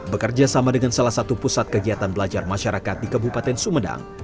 bekerja sama dengan salah satu pusat kegiatan belajar masyarakat di kabupaten sumedang